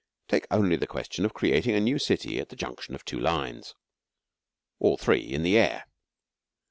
Take only the question of creating a new city at the junction of two lines all three in the air.